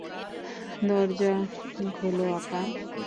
দরজা খোলো, আপা।